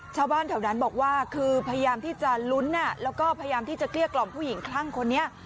ชาวบ้านแถวนั้นบอกว่าคือพยายามที่จะลุ้นแล้วก็พยายามที่จะเกลี้ยกล่อมผู้หญิงคลั่งคนนี้